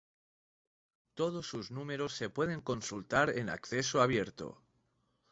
Todos sus números se pueden consultar en acceso abierto.